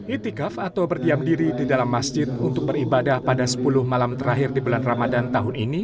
itikaf atau berdiam diri di dalam masjid untuk beribadah pada sepuluh malam terakhir di bulan ramadan tahun ini